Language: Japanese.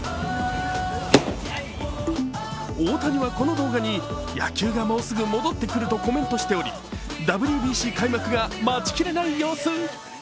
大谷は、この動画に野球がもうすぐ戻ってくるとコメントしておりＷＢＣ開幕が待ちきれない様子。